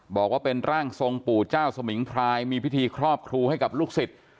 บอกว่าเป็นร่างทรงปู่เจ้าสมิงพรายมีพิธีครอบครูให้กับลูกศิษย์